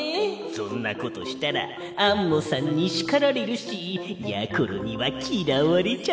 そんなことしたらアンモさんにしかられるしやころにはきらわれちゃうぞ。